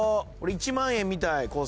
俺１万円見たい。